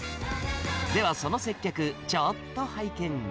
では、その接客、ちょっと拝見。